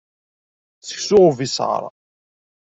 Seksu ubiṣaṛ.